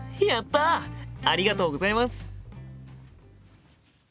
ありがとうございます。